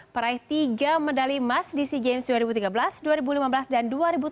peraih tiga medali emas di sea games dua ribu tiga belas dua ribu lima belas dan dua ribu tujuh belas